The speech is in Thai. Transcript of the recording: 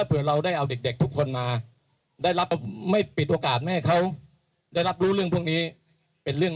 เรื่องสาระปรงสาระเปล่าร้องกันทั้งวันทั้งคืน